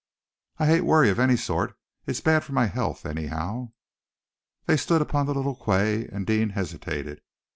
I hate worry of any sort. It's bad for my health, anyhow." They stood upon the little quay, and Deane hesitated.